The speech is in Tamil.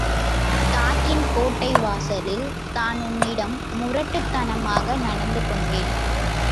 தாக்கின் கோட்டை வாசலில் நான் உன்னிடம் முரட்டுத் தனமாக நடந்து கொண்டேன்.